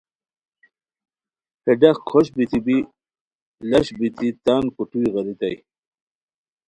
ہے ڈاق کھوشت بیتی بی لش بیتی تان کوٹوئی غیریتائے